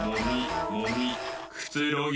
くつろぎ